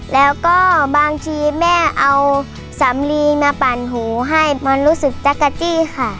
แล้วก็บางทีแม่เอาสำลีมาปั่นหูให้มันรู้สึกจักรจี้ค่ะ